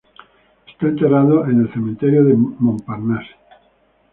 Está enterrado en el cementerio de Montparnasse.